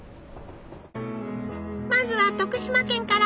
まずは徳島県から！